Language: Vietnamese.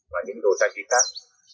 và những đồ trang trí khác